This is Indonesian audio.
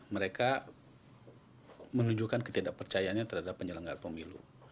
mereka menunjukkan ketidakpercayaannya terhadap penyelenggara pemilu